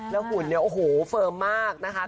หุ่นเนี่ยโอ้โหเฟิร์มมากนะคะ